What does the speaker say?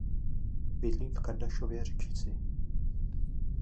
Bydlím v Kardašově Řečici.